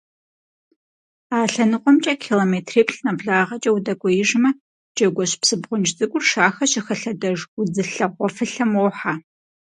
А лъэныкъуэмкӀэ километриплӀ нэблагъэкӀэ удэкӀуеижмэ, Джэгуэщ псы бгъунж цӀыкӀур Шахэ щыхэлъэдэж удзылъэ гъуэфылъэм уохьэ.